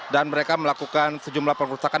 dan mereka melakukan sejumlah perusahaan